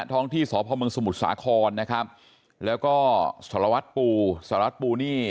ท้องที่สพมสมุทรสาครนะครับแล้วก็สารวัตรปูสารวัตรปูนี่